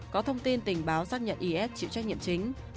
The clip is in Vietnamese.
có thông tin tình báo xác nhận is chịu trách nhiệm chính